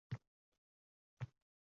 Bir tanishimga: «Nega shunday qilasan?